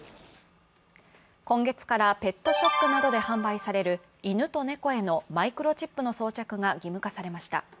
今月からペットショップなどで販売される犬と猫へのマイクロチップの装着が義務化されました。